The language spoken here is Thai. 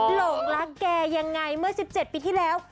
หลงรักแกยังไงเมื่อ๑๗ปีที่แล้ว